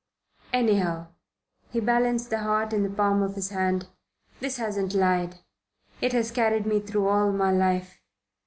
Anyhow" he balanced the heart in the palm of his hand "this hasn't lied. It has carried me through all my life.